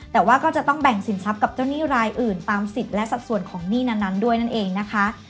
แต่ว่าก็จะต้องแบ่งสินทรัพย์กับเจ้าหนี้รายอื่นตามสิทธิ์และสัดส่วนของหนี้นั้นด้วยนั่นเองนะคะ